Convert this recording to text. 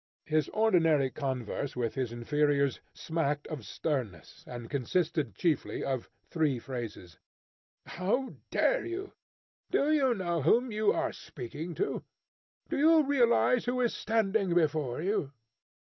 His ordinary converse with his inferiors smacked of sternness, and consisted chiefly of three phrases: "How dare you?" "Do you know whom you are speaking to?" "Do you realise who is standing before you?"